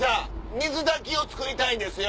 水炊きを作りたいんですよ。